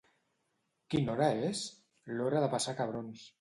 —Quina hora és? —L'hora de passar cabrons.